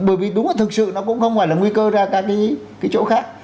bởi vì đúng là thực sự nó cũng không phải là nguy cơ ra các cái chỗ khác